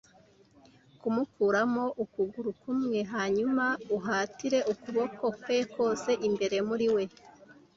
kumukuramo ukuguru kumwe hanyuma uhatire ukuboko kwe kose imbere muri we.